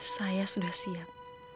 saya sudah siap